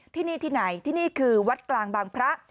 ที่นี่ที่ไหนที่นี่คือวัดกลางบางพระ